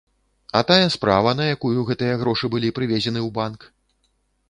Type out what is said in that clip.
А тая справа, на якую гэтыя грошы былі прывезены ў банк?